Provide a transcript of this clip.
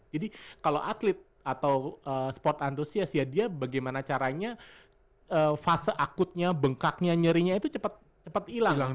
jadi kalau atlet atau sport antusias ya dia bagaimana caranya fase akutnya bengkaknya nyerinya itu cepat hilang